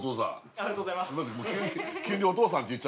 ありがとうございますねえ